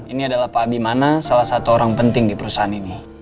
ini adalah pak bimana salah satu orang penting di perusahaan ini